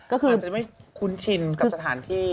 ก็คืออาจจะไม่คุ้นชินกับสถานที่